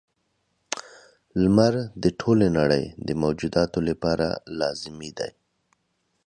• لمر د ټولې نړۍ د موجوداتو لپاره لازمي دی.